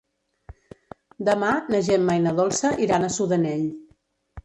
Demà na Gemma i na Dolça iran a Sudanell.